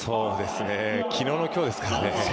昨日の今日ですからね。